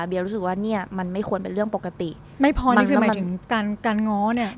รู้สึกว่าเนี่ยมันไม่ควรเป็นเรื่องปกติไม่พอนี่คือหมายถึงการการง้อเนี่ย